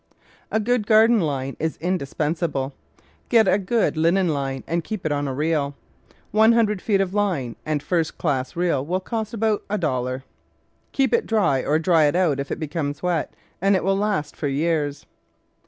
A good garden line is indispensable. Get a good linen line and keep it on a reel. One hundred feet of line and a first class reel will cost about $1. Keep it dry, or dry it out if it becomes w^t, and it will last for years.